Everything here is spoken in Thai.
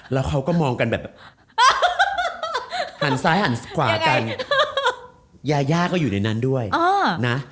แล้วเขาก็มองกันแบบหันซ้ายหันขวากันยาย่าก็อยู่ในนั้นด้วยนะ